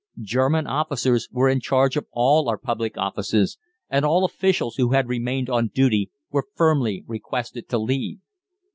German officers were in charge of all our public offices, and all officials who had remained on duty were firmly requested to leave.